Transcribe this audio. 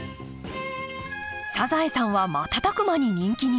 「サザエさん」は瞬く間に人気に。